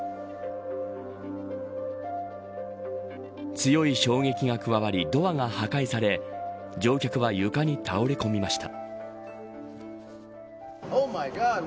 強い衝撃が加わりドアが破壊され乗客は床に倒れこみました。